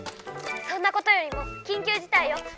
「そんなことよりも緊急事態よ！